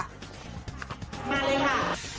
มาเลยค่ะ